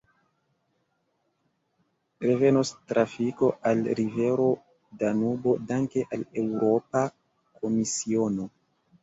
Revenos trafiko al rivero Danubo danke al Eŭropa Komisiono.